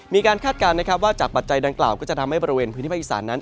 คาดการณ์นะครับว่าจากปัจจัยดังกล่าวก็จะทำให้บริเวณพื้นที่ภาคอีสานนั้น